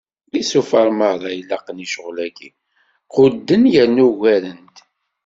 Isufar meṛṛa ilaqen i ccɣel-agi, qudden yerna ugaren-d.